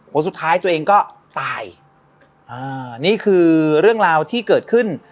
สุดท้ายตัวเองก็ตายอ่านี่คือเรื่องราวที่เกิดขึ้น